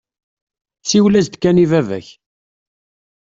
Siwel-as-d kan i baba-k.